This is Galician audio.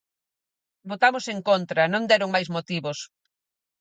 'Votamos en contra', non deron máis motivos.